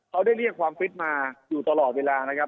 เขาได้เรียกความฟิตมาอยู่ตลอดเวลานะครับ